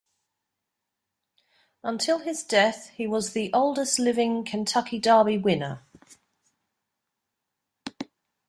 Until his death, he was the oldest living Kentucky Derby winner.